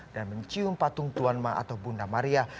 dan mencium patung tuan ma atau bunda maria